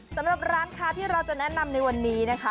สำหรับร้านค้าที่เราจะแนะนำในวันนี้นะคะ